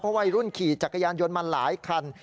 วัยรุ่นขี่จักรยานยนต์มาหลายคัน